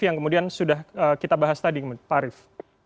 yang kemudian sudah kita bahas tadi pak arief